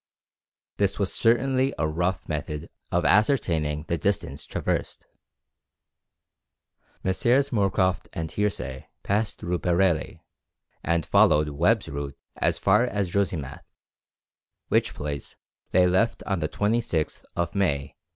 This was certainly a rough method of ascertaining the distance traversed! Messrs. Moorcroft and Hearsay passed through Bareilly, and followed Webb's route as far as Djosimath, which place they left on the 26th of May, 1812.